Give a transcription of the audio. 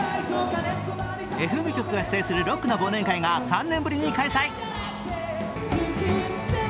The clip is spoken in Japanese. ＦＭ局が主催するロックな忘年会が３年ぶりに開催。